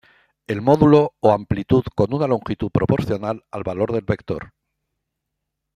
El módulo o amplitud con una longitud proporcional al valor del vector.